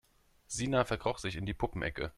Sina verkroch sich in die Puppenecke.